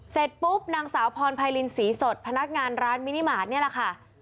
เสร็จปุ๊บนางสาวพรไพรินศรีสดพนักงานร้านมินิมาตรนี่แหละค่ะ